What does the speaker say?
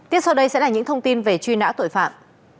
tiếp sau đây sẽ là những thông tin về truy nã tội phạm